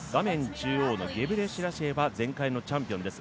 中央のゲブレシラシエはゼンシアのチャンピオンです。